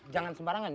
jangan sembarangan ya